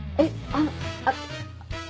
あっあっ。